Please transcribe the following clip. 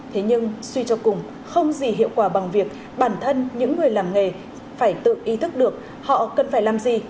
thế nhưng suy cho cùng không gì hiệu quả bằng việc bản thân những người làm nghề phải tự ý thức được họ cần phải làm gì